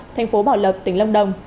thành phố bảo lộc tỉnh long đồng